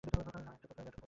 কারণ আমি একটা কুকুর?